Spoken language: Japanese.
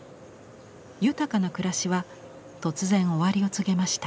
豊かな暮らしは突然終わりを告げました。